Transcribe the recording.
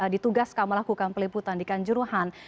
ditugaskan melakukan peliputan di kanjuruhan